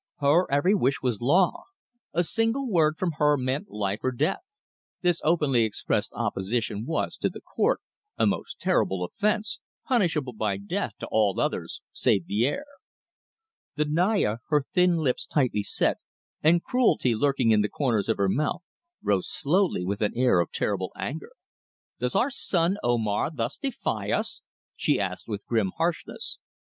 Her every wish was law; a single word from her meant life or death. This openly expressed opposition was, to the court, a most terrible offence, punishable by death to all others save the heir. The Naya, her thin lips tightly set and cruelty lurking in the corners of her mouth, rose slowly with an air of terrible anger. "Does our son Omar thus defy us?" she asked with grim harshness.